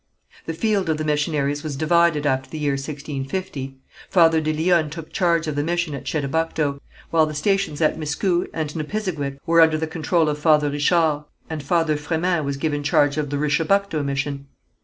The field of the missionaries was divided after the year 1650. Father de Lyonne took charge of the mission at Chedabucto, while the stations at Miscou and Nipisiguit were under the control of Father Richard, and Father Frémin was given charge of the Richibucto mission.